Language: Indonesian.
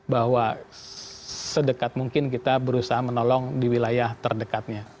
bahwa sedekat mungkin kita berusaha menolong di wilayah terdekatnya